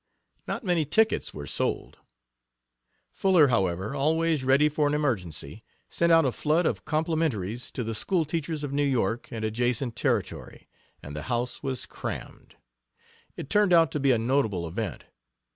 Not many tickets were sold. Fuller, however, always ready for an emergency, sent out a flood of complimentaries to the school teachers of New York and adjacent territory, and the house was crammed. It turned out to be a notable event.